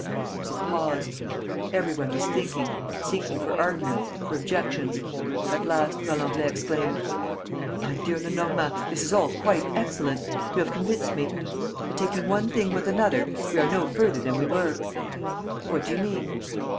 There was a pause. Every one was thinking, seeking for arguments, for objections. At last, Valenglay exclaimed: "My dear Lenormand, this is all quite excellent. You have convinced me. ... But, taking one thing with another, we are no further than we were." "What do you mean?"